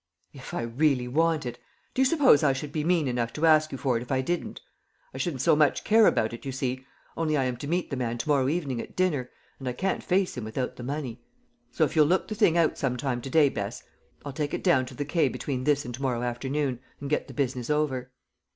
"If I really want it! Do you suppose I should be mean enough to ask you for it if I didn't? I shouldn't so much care about it, you see, only I am to meet the man to morrow evening at dinner, and I can't face him without the money. So if you'll look the thing out some time to day, Bess, I'll take it down to the Quai between this and to morrow afternoon, and get the business over."